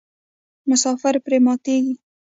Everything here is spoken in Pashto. مسافر پرې ماتیږي.